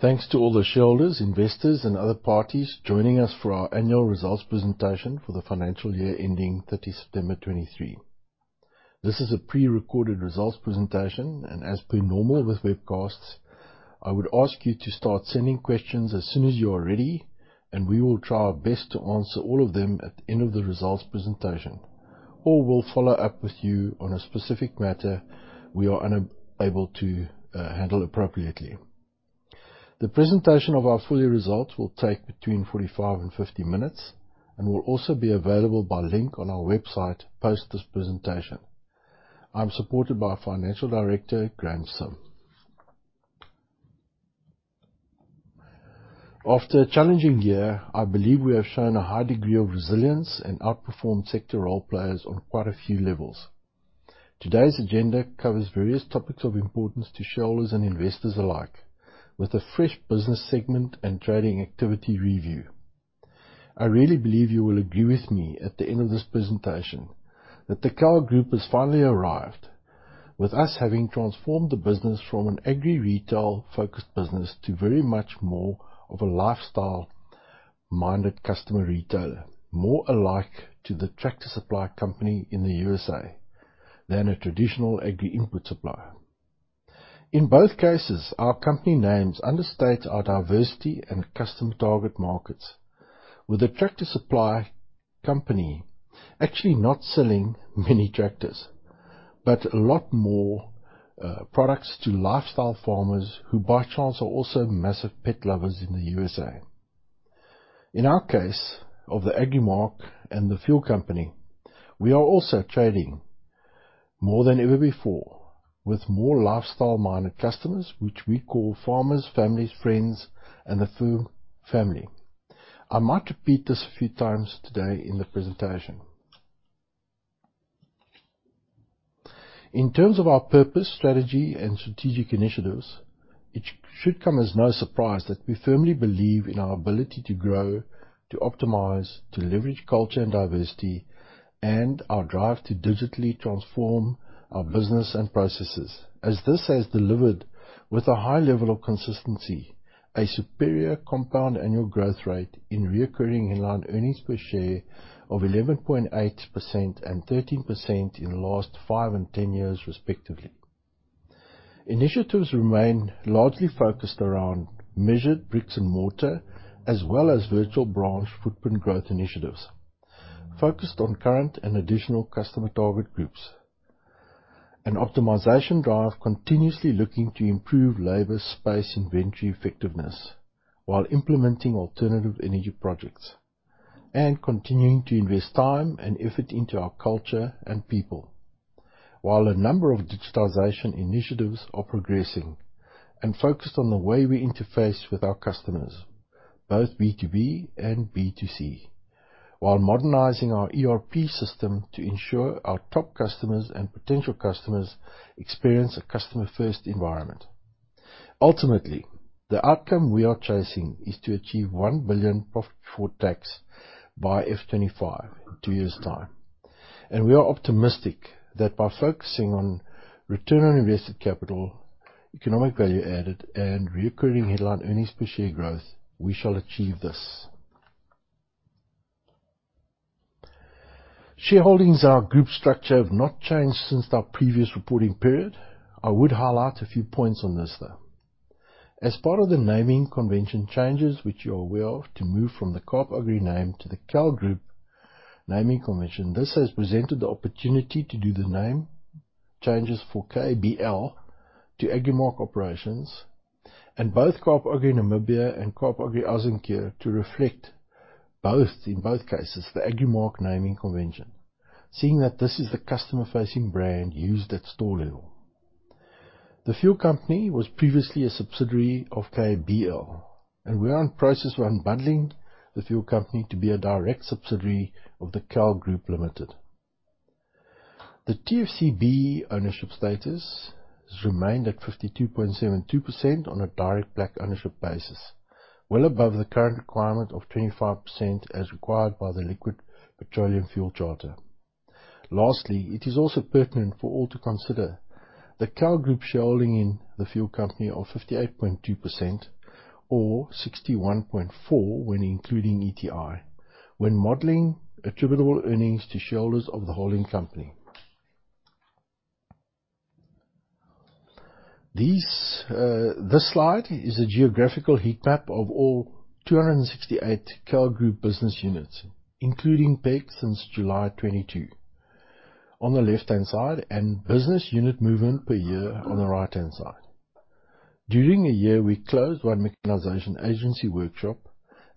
Thanks to all the shareholders, investors, and other parties joining us for our annual results presentation for the financial year ending 30 September 2023. This is a pre-recorded results presentation, and as per normal with webcasts, I would ask you to start sending questions as soon as you are ready, and we will try our best to answer all of them at the end of the results presentation. Or we'll follow up with you on a specific matter we are unable to handle appropriately. The presentation of our full year results will take between 45-50 minutes, and will also be available by link on our website post this presentation. I'm supported by our Financial Director, Graeme Sim. After a challenging year, I believe we have shown a high degree of resilience and outperformed sector role players on quite a few levels. Today's agenda covers various topics of importance to shareholders and investors alike, with a fresh business segment and trading activity review. I really believe you will agree with me at the end of this presentation, that the KAL Group has finally arrived, with us having transformed the business from an agri retail-focused business to very much more of a lifestyle-minded customer retailer. More alike to the Tractor Supply Company in the U.S.A., than a traditional agri input supplier. In both cases, our company names understate our diversity and customer target markets, with the Tractor Supply Company actually not selling many tractors, but a lot more, products to lifestyle farmers, who by chance, are also massive pet lovers in the U.S.A.. In our case, of the Agrimark and the fuel company, we are also trading more than ever before with more lifestyle-minded customers, which we call farmers, families, friends, and the fuel family. I might repeat this a few times today in the presentation. In terms of our purpose, strategy, and strategic initiatives, it should come as no surprise that we firmly believe in our ability to grow, to optimize, to leverage culture and diversity, and our drive to digitally transform our business and processes. As this has delivered with a high level of consistency, a superior compound annual growth rate in recurring headline earnings per share of 11.8% and 13% in the last 5 and 10 years respectively. Initiatives remain largely focused around measured bricks and mortar, as well as virtual branch footprint growth initiatives, focused on current and additional customer target groups. An optimization drive continuously looking to improve labor, space, inventory effectiveness, while implementing alternative energy projects, and continuing to invest time and effort into our culture and people. While a number of digitization initiatives are progressing and focused on the way we interface with our customers, both B2B and B2C, while modernizing our ERP system to ensure our top customers and potential customers experience a customer-first environment. Ultimately, the outcome we are chasing is to achieve 1 billion profit before tax by FY 2025, two years' time. We are optimistic that by focusing on return on invested capital, economic value added, and recurring headline earnings per share growth, we shall achieve this. Shareholdings of our group structure have not changed since our previous reporting period. I would highlight a few points on this, though. As part of the naming convention changes, which you are aware of, to move from the Kaap Agri name to the KAL Group naming convention, this has presented the opportunity to do the name changes for KBL to Agrimark Operations, and both Kaap Agri Namibia and Kaap Agri Oos Kaap to reflect both, in both cases, the Agrimark naming convention, seeing that this is the customer-facing brand used at store level. The fuel company was previously a subsidiary of KBL, and we are in process of unbundling the fuel company to be a direct subsidiary of the KAL Group Limited. The TFC BEE ownership status has remained at 52.72% on a direct black ownership basis, well above the current requirement of 25% as required by the Liquid Petroleum Fuel Charter. Lastly, it is also pertinent for all to consider the KAL Group shareholding in The Fuel Company of 58.2%, or 61.4 when including ETI, when modeling attributable earnings to shareholders of the holding company. This slide is a geographical heat map of all 268 KAL Group business units, including PEG, since July 2022 on the left-hand side, and business unit movement per year on the right-hand side. During the year, we closed 1 mechanization agency workshop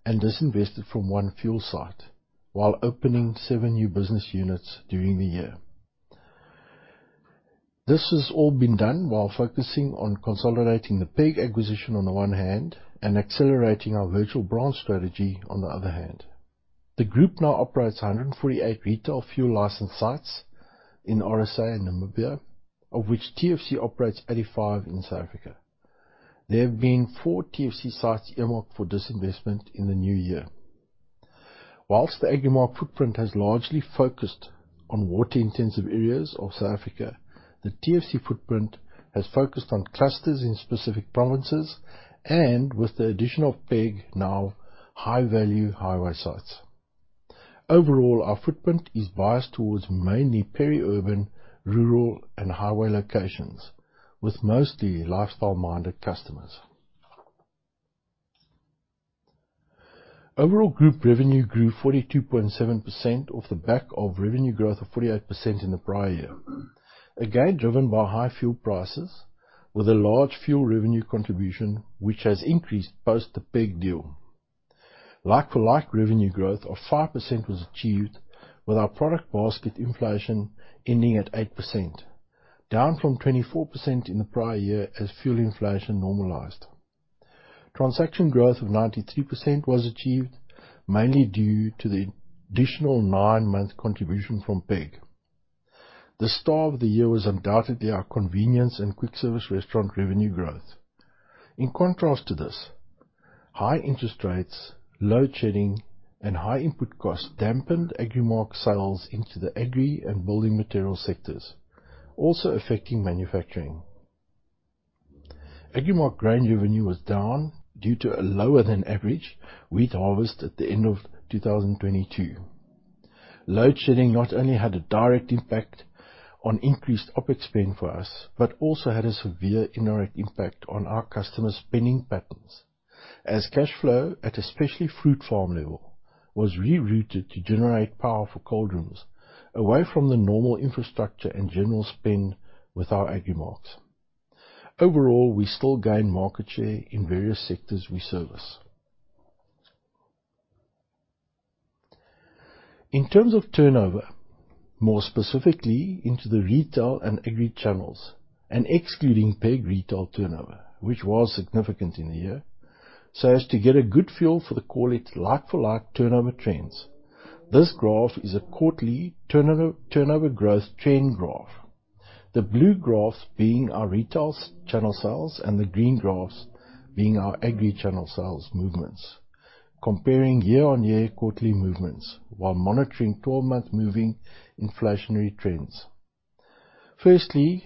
and disinvested from 1 fuel site, while opening 7 new business units during the year. This has all been done while focusing on consolidating the PEG acquisition, on the one hand, and accelerating our virtual branch strategy, on the other hand. The group now operates 148 retail fuel license sites in RSA and Namibia, of which TFC operates 85 in South Africa.... There have been 4 TFC sites earmarked for disinvestment in the new year. While the Agrimark footprint has largely focused on water-intensive areas of South Africa, the TFC footprint has focused on clusters in specific provinces, and with the addition of PEG, now high-value highway sites. Overall, our footprint is biased towards mainly peri-urban, rural, and highway locations, with mostly lifestyle-minded customers. Overall, group revenue grew 42.7% off the back of revenue growth of 48% in the prior year. Again, driven by high fuel prices with a large fuel revenue contribution, which has increased post the Peg deal. Like-for-like revenue growth of 5% was achieved with our product basket inflation ending at 8%, down from 24% in the prior year as fuel inflation normalized. Transaction growth of 93% was achieved, mainly due to the additional 9-month contribution from Peg. The star of the year was undoubtedly our convenience and quick service restaurant revenue growth. In contrast to this, high interest rates, Load Shedding, and high input costs dampened Agrimark sales into the agri and building material sectors, also affecting manufacturing. Agrimark grain revenue was down due to a lower than average wheat harvest at the end of 2022. Load Shedding not only had a direct impact on increased OpEx spend for us, but also had a severe indirect impact on our customers' spending patterns, as cash flow, at especially fruit farm level, was rerouted to generate power for cold rooms away from the normal infrastructure and general spend with our Agrimarks. Overall, we still gained market share in various sectors we service. In terms of turnover, more specifically into the retail and agri channels, and excluding PEG Retail turnover, which was significant in the year, so as to get a good feel for the call it like-for-like turnover trends. This graph is a quarterly turnover, turnover growth trend graph. The blue graphs being our retail channel sales, and the green graphs being our agri channel sales movements, comparing year-on-year quarterly movements while monitoring 12-month moving inflationary trends. Firstly,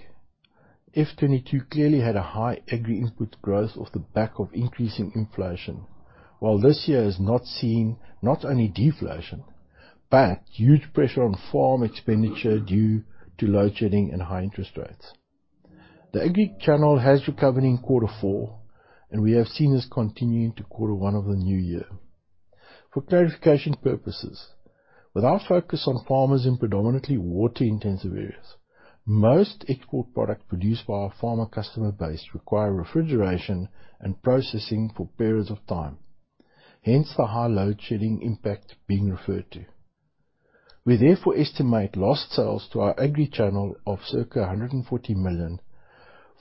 FY 2022 clearly had a high agri input growth off the back of increasing inflation, while this year has not seen not only deflation, but huge pressure on farm expenditure due to load shedding and high interest rates. The agri channel has recovered in Quarter Four, and we have seen this continuing to Quarter One of the new year. For clarification purposes, with our focus on farmers in predominantly water-intensive areas, most export products produced by our farmer customer base require refrigeration and processing for periods of time, hence the high load shedding impact being referred to. We therefore estimate lost sales to our agri channel of circa 140 million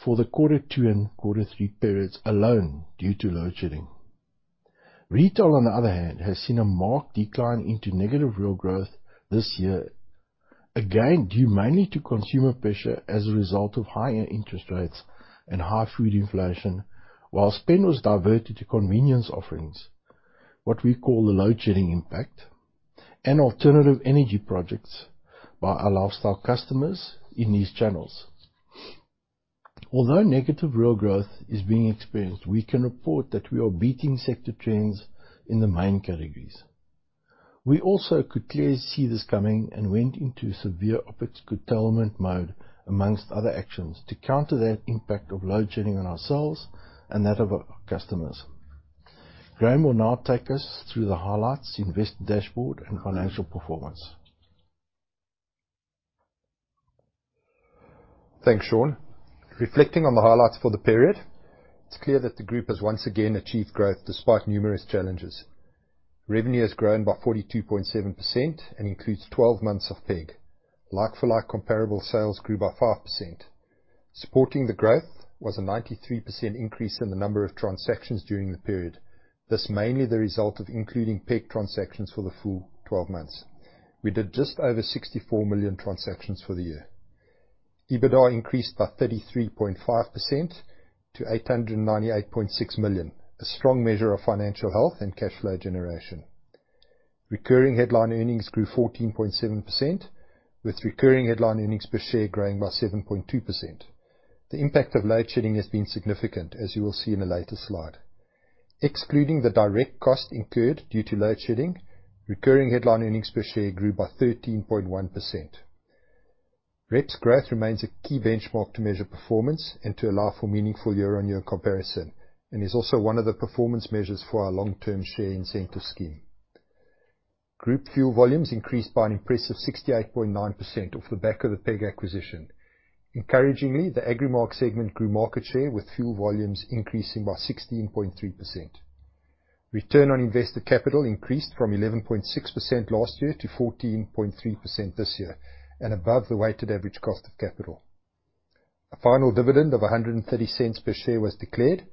for the Quarter Two and Quarter Three periods alone due to load shedding. Retail, on the other hand, has seen a marked decline into negative real growth this year, again, due mainly to consumer pressure as a result of higher interest rates and high food inflation, while spend was diverted to convenience offerings, what we call the load shedding impact, and alternative energy projects by our lifestyle customers in these channels. Although negative real growth is being experienced, we can report that we are beating sector trends in the main categories. We also could clearly see this coming and went into severe OpEx curtailment mode, amongst other actions, to counter that impact of load shedding on our sales and that of our customers. Graeme will now take us through the highlights, investor dashboard, and financial performance. Thanks, Sean. Reflecting on the highlights for the period, it's clear that the group has once again achieved growth despite numerous challenges. Revenue has grown by 42.7% and includes 12 months of Peg. Like-for-like comparable sales grew by 5%. Supporting the growth was a 93% increase in the number of transactions during the period. This is mainly the result of including Peg transactions for the full 12 months. We did just over 64 million transactions for the year. EBITDA increased by 33.5% to 898.6 million, a strong measure of financial health and cash flow generation. Recurring headline earnings grew 14.7%, with recurring headline earnings per share growing by 7.2%. The impact of load shedding has been significant, as you will see in a later slide. Excluding the direct costs incurred due to load shedding, recurring headline earnings per share grew by 13.1%. REPS growth remains a key benchmark to measure performance and to allow for meaningful year-on-year comparison, and is also one of the performance measures for our long-term share incentive scheme. Group fuel volumes increased by an impressive 68.9% off the back of the PEG acquisition. Encouragingly, the Agrimark segment grew market share, with fuel volumes increasing by 16.3%. Return on invested capital increased from 11.6% last year to 14.3% this year, and above the weighted average cost of capital. A final dividend of 1.30 per share was declared,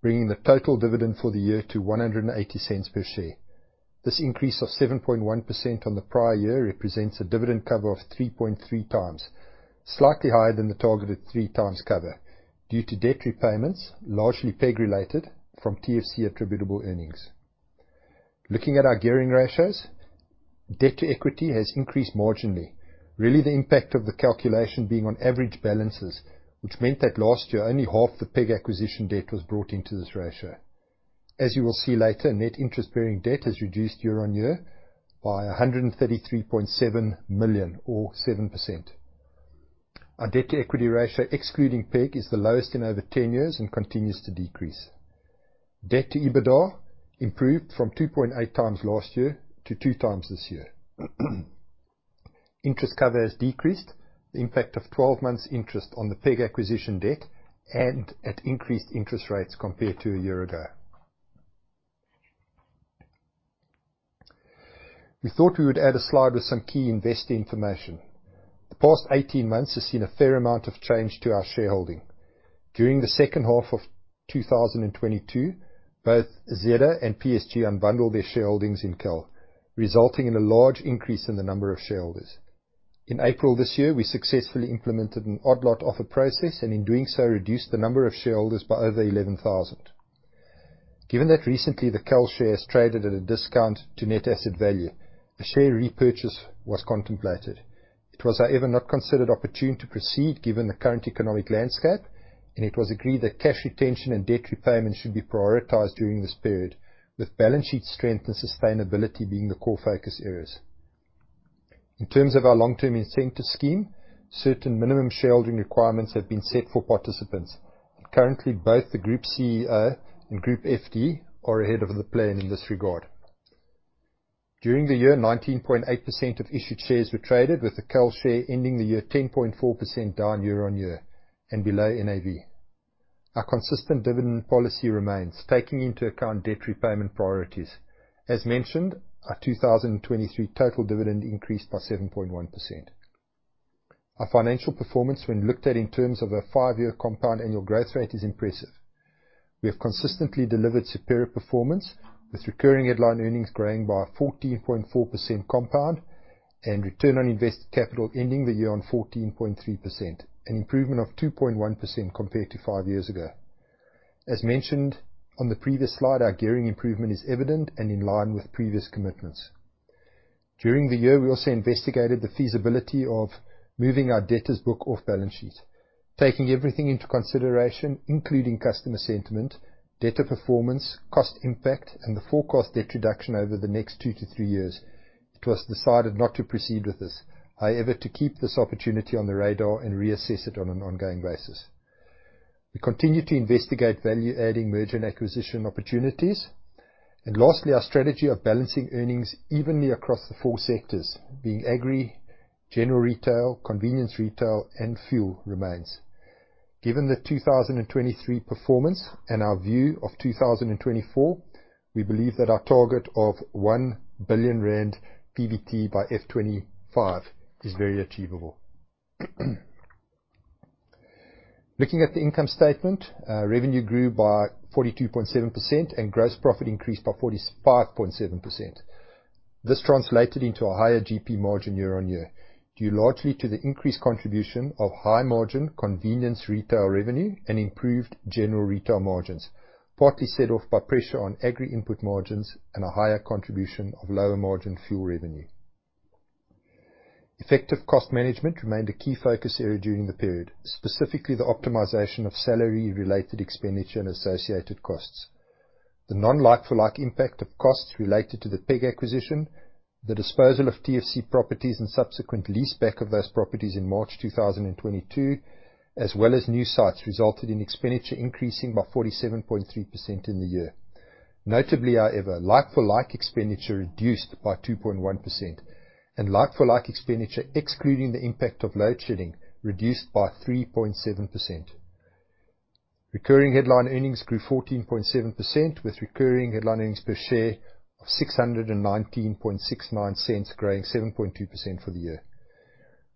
bringing the total dividend for the year to 1.80 per share. This increase of 7.1% on the prior year represents a dividend cover of 3.3 times, slightly higher than the targeted 3 times cover, due to debt repayments, largely Peg-related, from TFC attributable earnings. Looking at our gearing ratios, debt to equity has increased marginally. Really, the impact of the calculation being on average balances, which meant that last year, only half the Peg acquisition debt was brought into this ratio. As you will see later, net interest-bearing debt has reduced year-on-year by 133.7 million, or 7%. Our debt to equity ratio, excluding Peg, is the lowest in over 10 years and continues to decrease. Debt to EBITDA improved from 2.8 times last year to 2 times this year. Interest cover has decreased the impact of 12 months interest on the PEG acquisition debt and at increased interest rates compared to a year ago. We thought we would add a slide with some key investor information. The past 18 months has seen a fair amount of change to our shareholding. During the second half of 2022, both Zeder and PSG unbundled their shareholdings in KAL, resulting in a large increase in the number of shareholders. In April this year, we successfully implemented an odd lot offer process, and in doing so, reduced the number of shareholders by over 11,000. Given that recently the KAL share has traded at a discount to net asset value, a share repurchase was contemplated. It was, however, not considered opportune to proceed, given the current economic landscape, and it was agreed that cash retention and debt repayment should be prioritized during this period, with balance sheet strength and sustainability being the core focus areas. In terms of our long-term incentive scheme, certain minimum shareholding requirements have been set for participants. Currently, both the Group CEO and Group FD are ahead of the plan in this regard. During the year, 19.8% of issued shares were traded, with the KAL share ending the year 10.4% down year-on-year and below NAV. Our consistent dividend policy remains, taking into account debt repayment priorities. As mentioned, our 2023 total dividend increased by 7.1%. Our financial performance, when looked at in terms of a 5-year compound annual growth rate, is impressive. We have consistently delivered superior performance, with recurring headline earnings growing by 14.4% compound and return on invested capital ending the year on 14.3%, an improvement of 2.1% compared to 5 years ago. As mentioned on the previous slide, our gearing improvement is evident and in line with previous commitments. During the year, we also investigated the feasibility of moving our debtors book off balance sheet. Taking everything into consideration, including customer sentiment, debtor performance, cost impact, and the forecast debt reduction over the next 2-3 years, it was decided not to proceed with this. However, to keep this opportunity on the radar and reassess it on an ongoing basis. We continue to investigate value-adding merger and acquisition opportunities. Lastly, our strategy of balancing earnings evenly across the four sectors, being agri, general retail, convenience retail, and fuel, remains. Given the 2023 performance and our view of 2024, we believe that our target of 1 billion rand PBT by FY25 is very achievable. Looking at the income statement, revenue grew by 42.7% and gross profit increased by 45.7%. This translated into a higher GP margin year-on-year, due largely to the increased contribution of high-margin convenience retail revenue and improved general retail margins, partly set off by pressure on agri input margins and a higher contribution of lower-margin fuel revenue. Effective cost management remained a key focus area during the period, specifically the optimization of salary-related expenditure and associated costs. The non-like-for-like impact of costs related to the PEG acquisition, the disposal of TFC properties and subsequent leaseback of those properties in March 2022, as well as new sites, resulted in expenditure increasing by 47.3% in the year. Notably, however, like-for-like expenditure reduced by 2.1%, and like-for-like expenditure, excluding the impact of load shedding, reduced by 3.7%. Recurring headline earnings grew 14.7%, with recurring headline earnings per share of 6.1969, growing 7.2% for the year.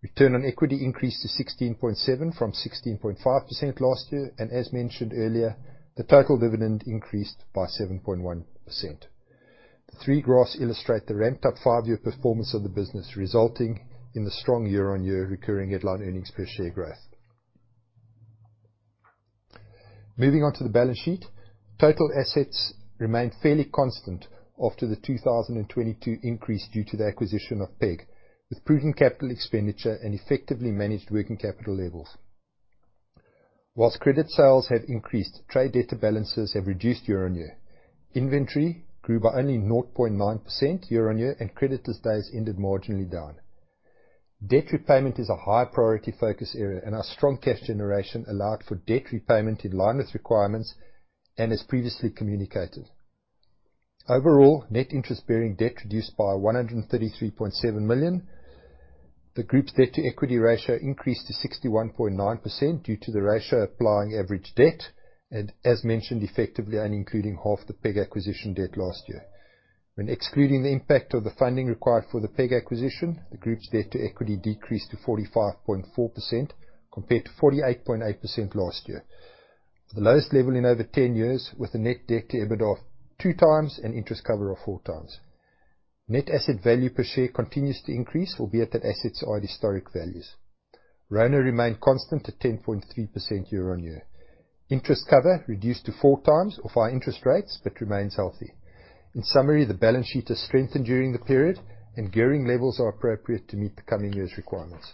Return on equity increased to 16.7% from 16.5% last year, and as mentioned earlier, the total dividend increased by 7.1%. The three graphs illustrate the ramped-up five-year performance of the business, resulting in the strong year-on-year recurring headline earnings per share growth. Moving on to the balance sheet. Total assets remained fairly constant after the 2022 increase due to the acquisition of Peg, with prudent capital expenditure and effectively managed working capital levels. While credit sales have increased, trade debtor balances have reduced year-on-year. Inventory grew by only 0.9% year-on-year, and creditors' days ended marginally down. Debt repayment is a high priority focus area, and our strong cash generation allowed for debt repayment in line with requirements and as previously communicated. Overall, net interest-bearing debt reduced by 133.7 million. The group's debt-to-equity ratio increased to 61.9% due to the ratio applying average debt and, as mentioned, effectively, and including half the Peg acquisition debt last year. When excluding the impact of the funding required for the PEG acquisition, the group's debt to equity decreased to 45.4%, compared to 48.8% last year.... for the lowest level in over 10 years, with a net debt to EBITDA of 2x and interest cover of 4x. Net asset value per share continues to increase, albeit that assets are at historic values. RONA remained constant at 10.3% year-on-year. Interest cover reduced to 4x of our interest rates, but remains healthy. In summary, the balance sheet has strengthened during the period, and gearing levels are appropriate to meet the coming years' requirements.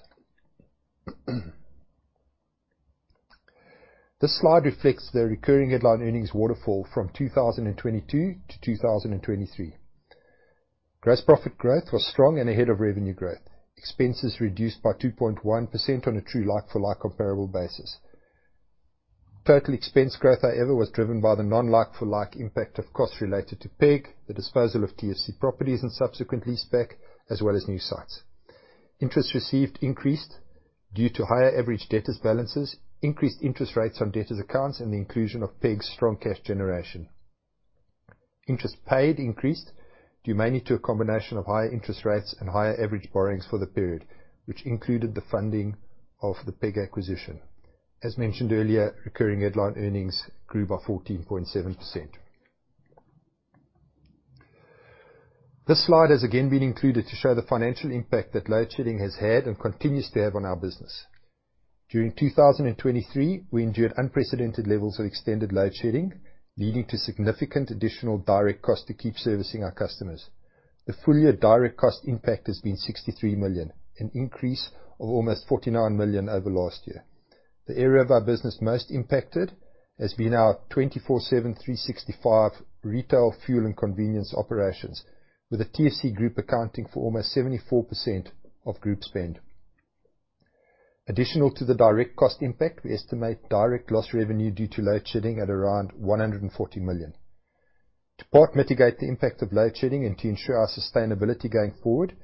This slide reflects the recurring headline earnings waterfall from 2022 to 2023. Gross profit growth was strong and ahead of revenue growth. Expenses reduced by 2.1% on a true like-for-like comparable basis. Total expense growth, however, was driven by the non like-for-like impact of costs related to PEG, the disposal of TFC properties and subsequently back, as well as new sites. Interest received increased due to higher average debtors balances, increased interest rates on debtors accounts, and the inclusion of PEG's strong cash generation. Interest paid increased, due mainly to a combination of higher interest rates and higher average borrowings for the period, which included the funding of the PEG acquisition. As mentioned earlier, recurring headline earnings grew by 14.7%. This slide has again been included to show the financial impact that load shedding has had and continues to have on our business. During 2023, we endured unprecedented levels of extended load shedding, leading to significant additional direct costs to keep servicing our customers. The full year direct cost impact has been 63 million, an increase of almost 49 million over last year. The area of our business most impacted has been our 24/7, 365 retail fuel and convenience operations, with the TFC group accounting for almost 74% of group spend. Additional to the direct cost impact, we estimate direct loss revenue due to load shedding at around 140 million. To part mitigate the impact of load shedding and to ensure our sustainability going forward,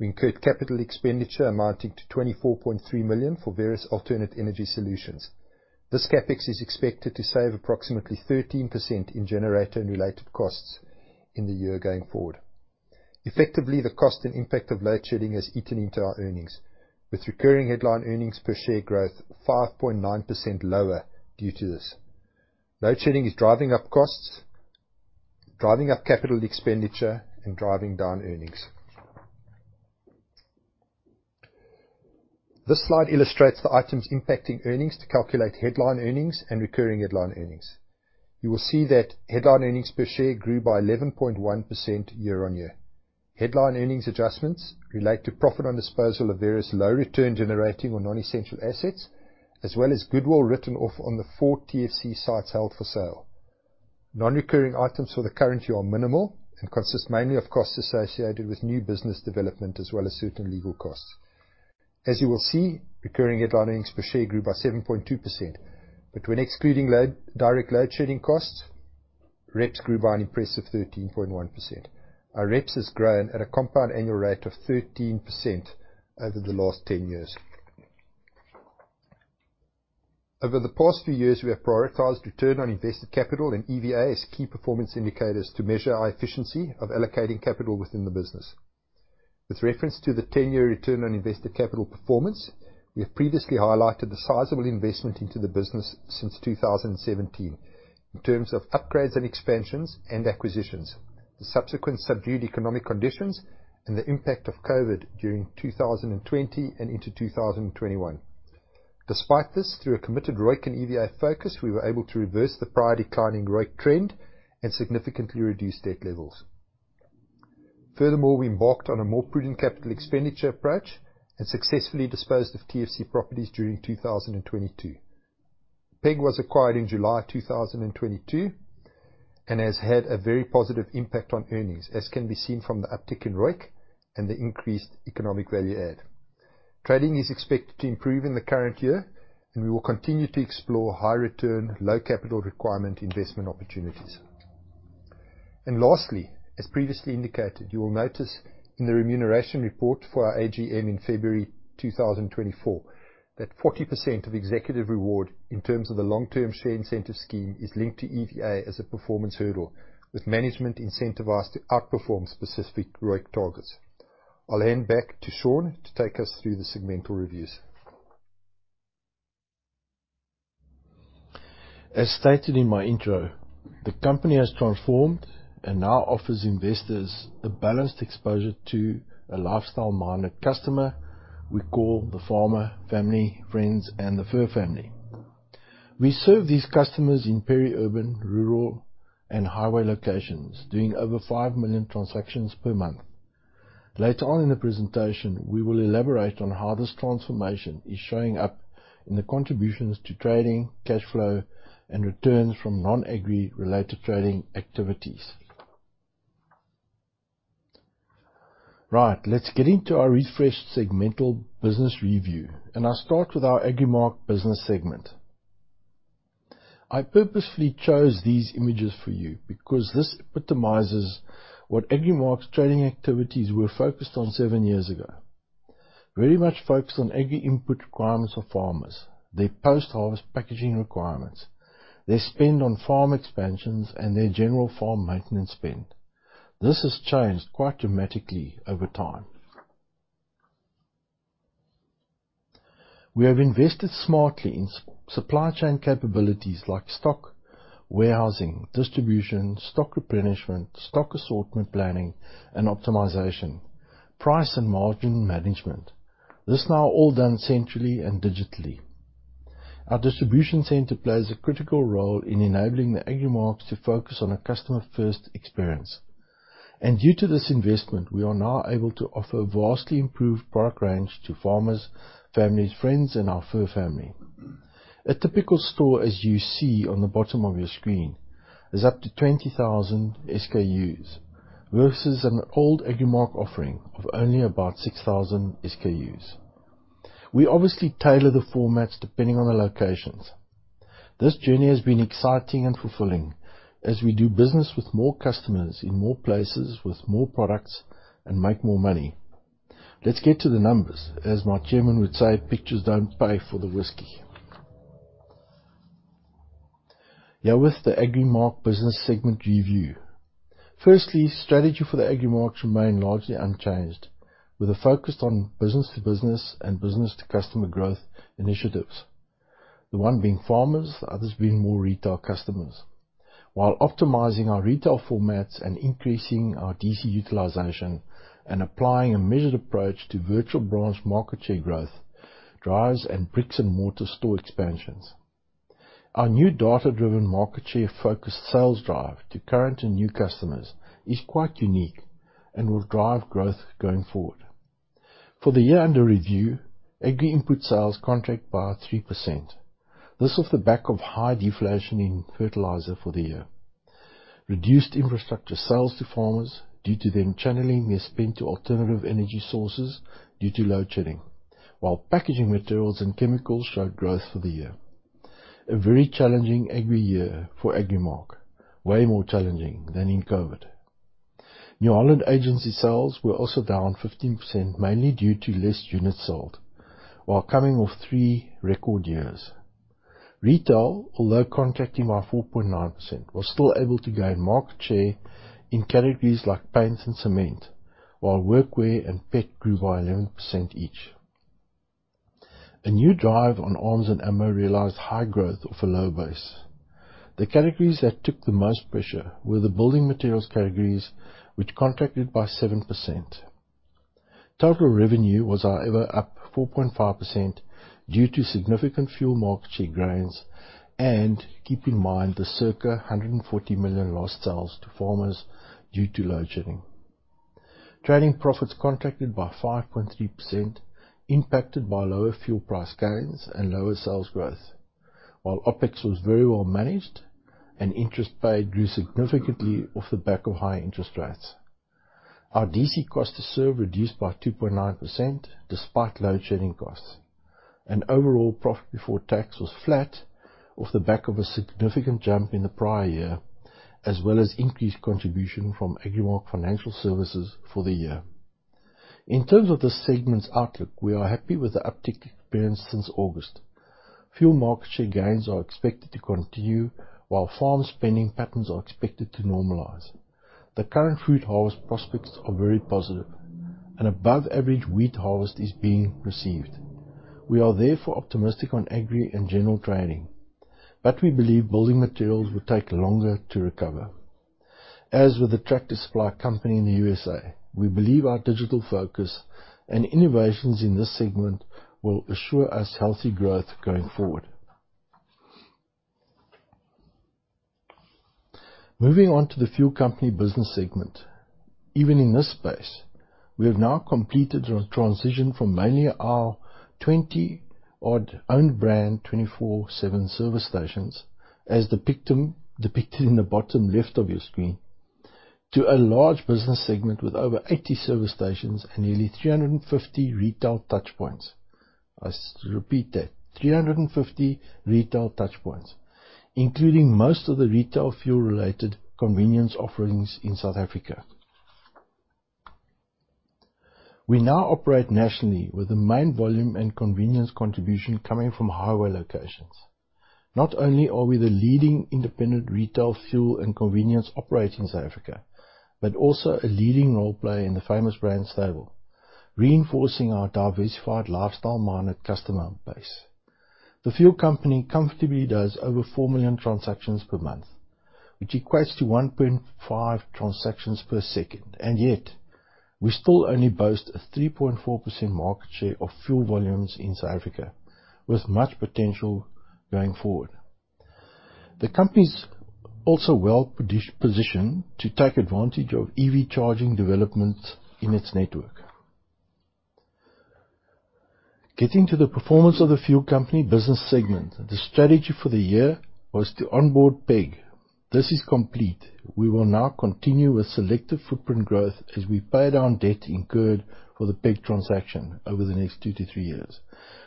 we incurred capital expenditure amounting to 24.3 million for various alternate energy solutions. This CapEx is expected to save approximately 13% in generator and related costs in the year going forward. Effectively, the cost and impact of Load Shedding has eaten into our earnings, with recurring headline earnings per share growth 5.9% lower due to this. Load Shedding is driving up costs, driving up capital expenditure, and driving down earnings. This slide illustrates the items impacting earnings to calculate headline earnings and recurring headline earnings. You will see that headline earnings per share grew by 11.1% year-on-year. Headline earnings adjustments relate to profit on disposal of various low return generating or non-essential assets, as well as goodwill written off on the four TFC sites held for sale. Non-recurring items for the current year are minimal and consist mainly of costs associated with new business development, as well as certain legal costs. As you will see, recurring headline earnings per share grew by 7.2%, but when excluding load, direct load shedding costs, REPS grew by an impressive 13.1%. Our REPS has grown at a compound annual rate of 13% over the last 10 years. Over the past few years, we have prioritized return on invested capital and EVA as key performance indicators to measure our efficiency of allocating capital within the business. With reference to the 10-year return on invested capital performance, we have previously highlighted the sizable investment into the business since 2017, in terms of upgrades and expansions and acquisitions, the subsequent subdued economic conditions and the impact of COVID during 2020 and into 2021. Despite this, through a committed ROIC and EVA focus, we were able to reverse the prior declining ROIC trend and significantly reduce debt levels. Furthermore, we embarked on a more prudent capital expenditure approach and successfully disposed of TFC properties during 2022. PEG was acquired in July of 2022 and has had a very positive impact on earnings, as can be seen from the uptick in ROIC and the increased economic value add. Trading is expected to improve in the current year, and we will continue to explore high return, low capital requirement investment opportunities. Lastly, as previously indicated, you will notice in the remuneration report for our AGM in February 2024, that 40% of executive reward in terms of the long-term share incentive scheme is linked to EVA as a performance hurdle, with management incentivized to outperform specific ROIC targets. I'll hand back to Sean to take us through the segmental reviews. As stated in my intro, the company has transformed and now offers investors a balanced exposure to a lifestyle-minded customer we call the farmer, family, friends, and the fur family. We serve these customers in peri-urban, rural, and highway locations, doing over 5 million transactions per month. Later on in the presentation, we will elaborate on how this transformation is showing up in the contributions to trading, cash flow, and returns from non-agri related trading activities. Right, let's get into our refreshed segmental business review, and I'll start with our Agrimark business segment. I purposefully chose these images for you because this epitomizes what Agrimark's trading activities were focused on seven years ago. Very much focused on agri input requirements for farmers, their post-harvest packaging requirements, their spend on farm expansions, and their general farm maintenance spend. This has changed quite dramatically over time. We have invested smartly in supply chain capabilities like stock, warehousing, distribution, stock replenishment, stock assortment planning, and optimization, price and margin management. This is now all done centrally and digitally. Our distribution center plays a critical role in enabling the Agrimarks to focus on a customer-first experience. And due to this investment, we are now able to offer vastly improved product range to farmers, families, friends, and our fur family. A typical store, as you see on the bottom of your screen, is up to 20,000 SKUs, versus an old Agrimark offering of only about 6,000 SKUs. We obviously tailor the formats depending on the locations. This journey has been exciting and fulfilling as we do business with more customers, in more places, with more products, and make more money. Let's get to the numbers. As my chairman would say, "Pictures don't pay for the whiskey." Here with the Agrimark business segment review. Firstly, strategy for the Agrimarks remain largely unchanged, with a focus on business-to-business and business-to-customer growth initiatives. The one being farmers, the others being more retail customers. While optimizing our retail formats and increasing our DC utilization, and applying a measured approach to virtual branch market share growth, drives, and bricks-and-mortar store expansions. Our new data-driven market share focused sales drive to current and new customers is quite unique and will drive growth going forward. For the year under review, Agri input sales contract by 3%. This was on the back of high deflation in fertilizer for the year. Reduced infrastructure sales to farmers, due to them channeling their spend to alternative energy sources due to load shedding, while packaging materials and chemicals showed growth for the year. A very challenging Agri year for Agrimark, way more challenging than in COVID. New Holland agency sales were also down 15%, mainly due to less units sold, while coming off three record years. Retail, although contracting by 4.9%, was still able to gain market share in categories like paints and cement, while workwear and pet grew by 11% each. A new drive on arms and ammo realized high growth of a low base. The categories that took the most pressure were the building materials categories, which contracted by 7%. Total revenue was, however, up 4.5% due to significant fuel market share gains, and keep in mind the circa 140 million lost sales to farmers due to load shedding. Trading profits contracted by 5.3%, impacted by lower fuel price gains and lower sales growth. While OpEx was very well managed, and interest paid grew significantly off the back of high interest rates. Our DC cost to serve reduced by 2.9% despite load shedding costs, and overall profit before tax was flat off the back of a significant jump in the prior year, as well as increased contribution from Agrimark Financial Services for the year. In terms of the segment's outlook, we are happy with the uptick experienced since August. Fuel market share gains are expected to continue, while farm spending patterns are expected to normalize. The current fruit harvest prospects are very positive, and above average wheat harvest is being received. We are therefore optimistic on Agri and general trading, but we believe building materials will take longer to recover. As with the Tractor Supply Company in the U.S.A., we believe our digital focus and innovations in this segment will assure us healthy growth going forward. Moving on to the fuel company business segment. Even in this space, we have now completed the transition from mainly our 20-odd owned brand 24/7 service stations, as depicted in the bottom left of your screen, to a large business segment with over 80 service stations and nearly 350 retail touchpoints. I repeat that, 350 retail touchpoints, including most of the retail fuel-related convenience offerings in South Africa. We now operate nationally with the main volume and convenience contribution coming from highway locations. Not only are we the leading independent retail fuel and convenience operator in South Africa, but also a leading role player in the Famous Brands stable, reinforcing our diversified, lifestyle-minded customer base. The Fuel Company comfortably does over 4 million transactions per month, which equates to 1.5 transactions per second, and yet we still only boast a 3.4% market share of fuel volumes in South Africa, with much potential going forward. The company's also well positioned to take advantage of EV charging developments in its network. Getting to the performance of the Fuel Company business segment, the strategy for the year was to onboard PEG. This is complete. We will now continue with selective footprint growth as we pay down debt incurred for the PEG transaction over the next 2-3 years.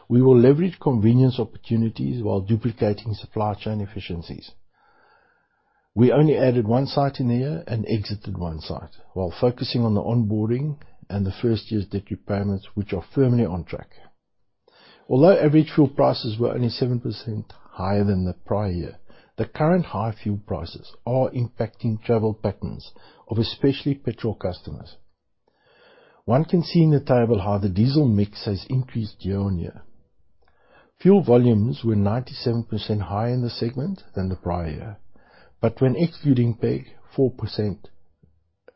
We will leverage convenience opportunities while duplicating supply chain efficiencies. We only added 1 site in the year and exited 1 site, while focusing on the onboarding and the first year's debt repayments, which are firmly on track. Although average fuel prices were only 7% higher than the prior year, the current high fuel prices are impacting travel patterns of especially petrol customers. One can see in the table how the diesel mix has increased year-on-year. Fuel volumes were 97% higher in this segment than the prior year, but when excluding PEG, 4%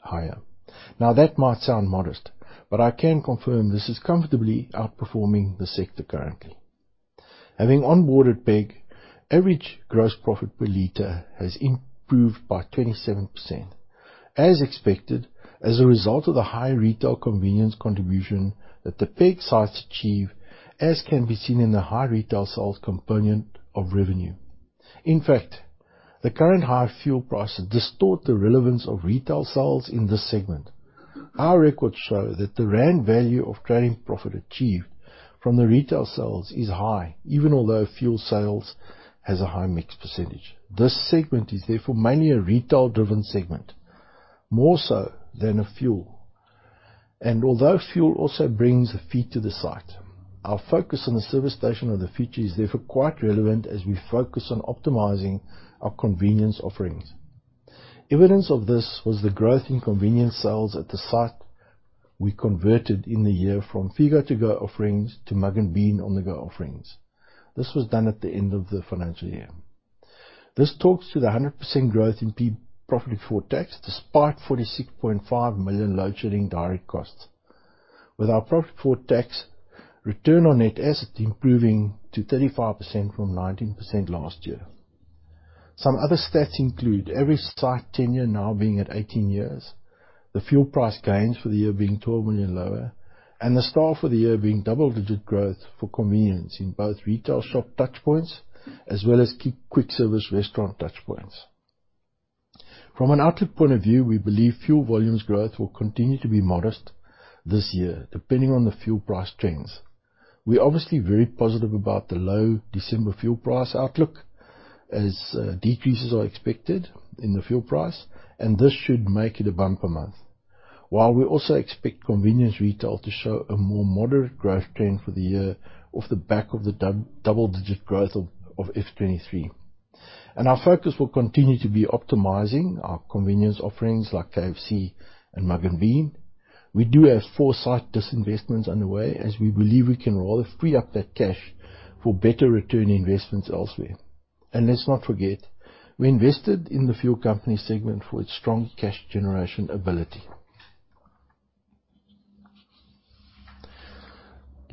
higher. Now, that might sound modest, but I can confirm this is comfortably outperforming the sector currently. Having onboarded PEG, average gross profit per liter has improved by 27%, as expected, as a result of the high retail convenience contribution that the PEG sites achieve, as can be seen in the high retail sales component of revenue. In fact, the current high fuel prices distort the relevance of retail sales in this segment. Our records show that the rand value of trading profit achieved from the retail sales is high, even although fuel sales has a high mix percentage. This segment is therefore mainly a retail-driven segment, more so than a fuel. Although fuel also brings the feet to the site, our focus on the service station of the future is therefore quite relevant as we focus on optimizing our convenience offerings. Evidence of this was the growth in convenience sales at the site we converted in the year from Fego to Go offerings to Mugg & Bean on-the-go offerings. This was done at the end of the financial year. This talks to the 100% growth in profit before tax, despite 46.5 million load shedding direct costs, with our profit before tax return on net asset improving to 35% from 19% last year. Some other stats include every site tenure now being at 18 years, the fuel price gains for the year being 12 million lower, and the store for the year being double-digit growth for convenience in both retail shop touchpoints, as well as key quick service restaurant touchpoints. From an outlook point of view, we believe fuel volumes growth will continue to be modest this year, depending on the fuel price trends. We're obviously very positive about the low December fuel price outlook, as decreases are expected in the fuel price, and this should make it a bumper month. While we also expect convenience retail to show a more moderate growth trend for the year off the back of the double-digit growth of FY 2023. And our focus will continue to be optimizing our convenience offerings, like KFC and Mugg & Bean. We do have four site disinvestments on the way, as we believe we can rather free up that cash for better return investments elsewhere. And let's not forget, we invested in the fuel company segment for its strong cash generation ability.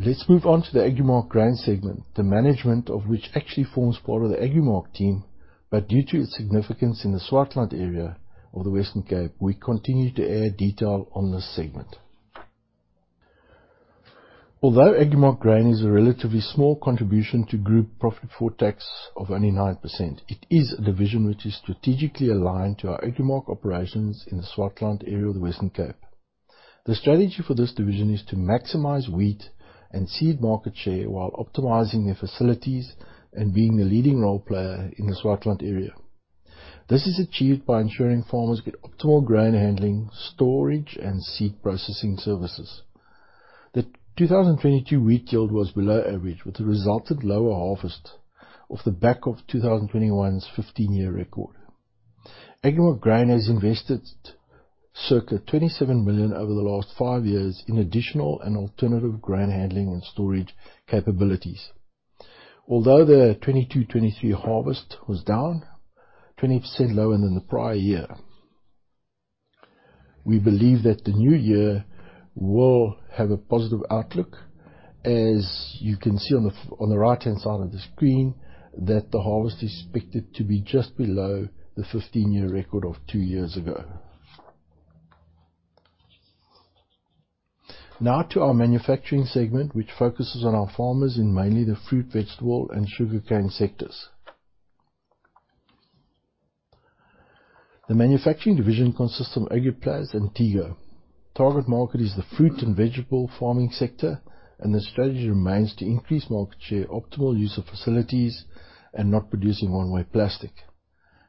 Let's move on to the Agrimark Grain segment, the management of which actually forms part of the Agrimark team, but due to its significance in the Swartland area of the Western Cape, we continue to add detail on this segment. Although Agrimark Grain is a relatively small contribution to group profit before tax of only 9%, it is a division which is strategically aligned to our Agrimark operations in the Swartland area of the Western Cape. The strategy for this division is to maximize wheat and seed market share, while optimizing their facilities and being the leading role player in the Swartland area. This is achieved by ensuring farmers get optimal grain handling, storage, and seed processing services. The 2022 wheat yield was below average, which resulted lower harvest off the back of 2021's 15-year record. Agrimark Grain has invested circa 27 million over the last five years in additional and alternative grain handling and storage capabilities. Although the 2022-2023 harvest was down, 20% lower than the prior year, we believe that the new year will have a positive outlook. As you can see on the right-hand side of the screen, that the harvest is expected to be just below the 15-year record of two years ago. Now to our manufacturing segment, which focuses on our farmers in mainly the fruit, vegetable, and sugarcane sectors. The manufacturing division consists of Agriplas and Tego. Target market is the fruit and vegetable farming sector, and the strategy remains to increase market share, optimal use of facilities, and not producing one-way plastic.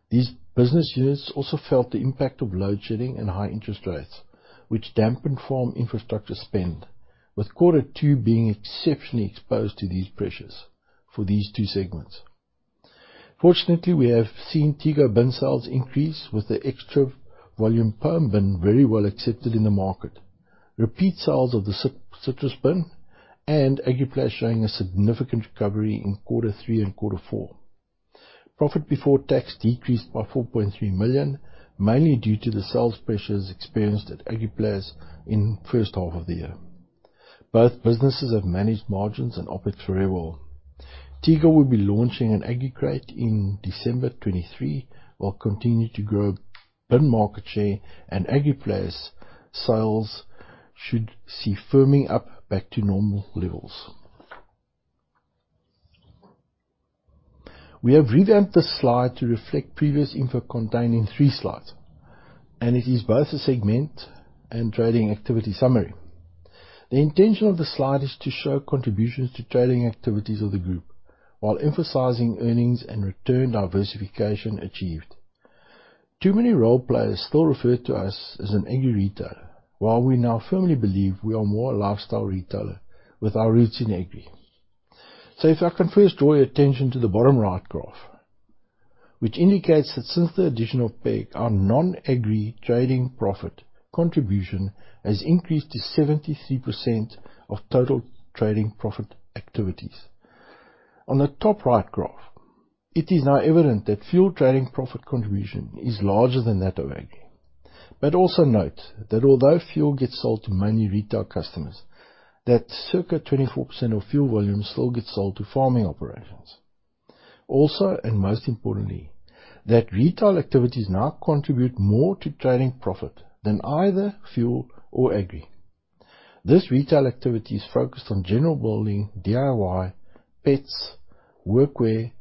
These business units also felt the impact of load shedding and high interest rates, which dampened farm infrastructure spend, with quarter two being exceptionally exposed to these pressures for these two segments. Fortunately, we have seen Tego bin sales increase, with the extra volume perm bin very well accepted in the market, repeat sales of the citrus bin, and Agriplas showing a significant recovery in quarter three and quarter four. Profit before tax decreased by 4.3 million, mainly due to the sales pressures experienced at Agriplas in first half of the year. Both businesses have managed margins and OpEx very well. Tego will be launching an Agri crate in December 2023, while continuing to grow bin market share, and Agriplas sales should see firming up back to normal levels. We have revamped this slide to reflect previous info contained in three slides, and it is both a segment and trading activity summary. The intention of the slide is to show contributions to trading activities of the group, while emphasizing earnings and return diversification achieved. Too many role players still refer to us as an agri retailer, while we now firmly believe we are more a lifestyle retailer with our roots in agri. So if I can first draw your attention to the bottom right graph, which indicates that since the addition of Peg, our non-agri trading profit contribution has increased to 73% of total trading profit activities. On the top right graph, it is now evident that fuel trading profit contribution is larger than that of agri. But also note, that although fuel gets sold to many retail customers, that circa 24% of fuel volume still gets sold to farming operations. Also, and most importantly, that retail activities now contribute more to trading profit than either fuel or agri. This retail activity is focused on general building, DIY, pets, workwear